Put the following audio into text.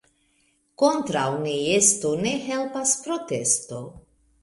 Kontraŭ neesto ne helpas protesto.